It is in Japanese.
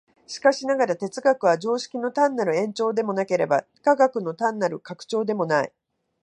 しかしながら、哲学は常識の単なる延長でもなければ、科学の単なる拡張でもない。